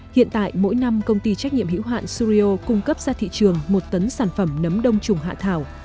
hiện tại mỗi năm công ty trách nhiệm hữu hạn suryo cung cấp ra thị trường một tấn sản phẩm nấm đông trùng hạ thảo